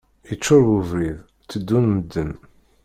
Yeččur webrid, teddun medden.